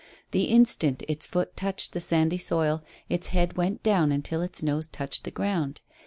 The instant its foot touched the sandy soil its head went down until its nose touched the ground.